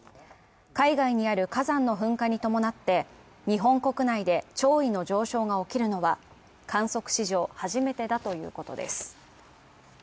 海外にある火山の噴火に伴って、日本国内で潮位の上昇が起きるのは観測史上初めてだということです